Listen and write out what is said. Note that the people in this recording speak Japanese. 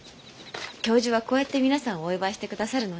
教授はこうやって皆さんをお祝いしてくださるのね。